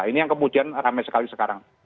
ini yang kemudian ramai sekali sekarang